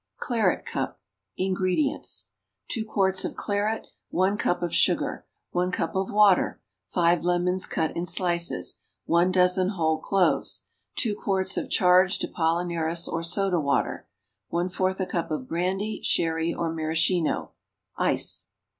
=Claret Cup.= INGREDIENTS. 2 quarts of claret. 1 cup of sugar. 1 cup of water. 5 lemons cut in slices. 1 dozen whole cloves. 2 qts. of charged Apollinaris or soda water. 1/4 a cup of brandy, sherry or maraschino. Ice.